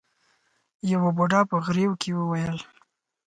يوه بوډا په غريو کې وويل.